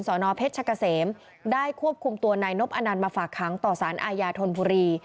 นเพชรชะกะเสมได้ควบคุมตัวนายนบอนันต์มาฝากค้างต่อสารอาญาธนบุรี